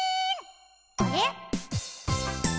あれ？